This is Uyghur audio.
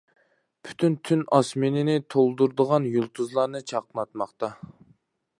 پۈتۈن تۈن ئاسمىنىنى تولدۇرىدىغان يۇلتۇزلارنى چاقناتماقتا.